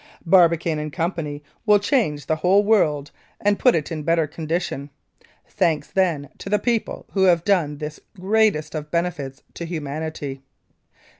Barbicane & Co. will change the whole world and put it in better condition. Thanks, then, to the people who have done this greatest of benefits to humanity."